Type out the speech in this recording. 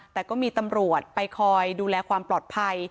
แต่ก็มีตำรวจไปคอยดูแลความปลอดภัย